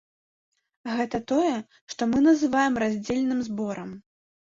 Гэта тое, што мы называем раздзельным зборам.